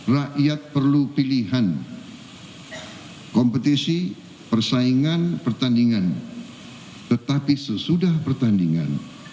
rakyat perlu pilihan kompetisi persaingan pertandingan tetapi sesudah pertandingan